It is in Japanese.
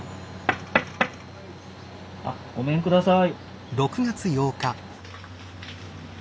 ごめんください。